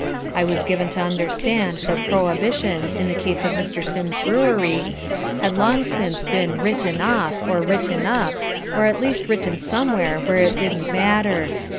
I was given to understand that prohibition, in the case of Mr. Sims's brewery, had long since been "written off" or "written up" or at least written somewhere where it didn't matter.